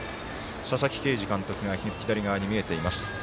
佐々木啓司監督が左側に見えています。